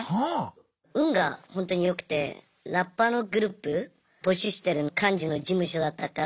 運がほんとに良くてラッパーのグループ募集してる感じの事務所だったから。